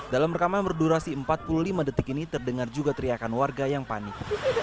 dalam rekaman berdurasi empat puluh lima detik ini terdengar juga teriakan warga yang panik